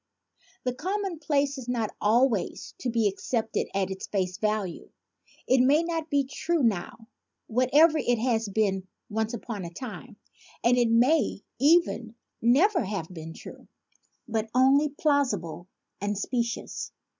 The commonplace is not always to be ac cepted at its face value. It may not be true now, whatever it has been once upon a time; and it may even never have been true, but only plausible and specious.